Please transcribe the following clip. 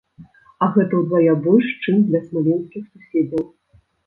А гэта ўдвая больш, чым для смаленскіх суседзяў.